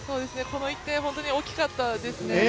この１点、本当に大きかったですね。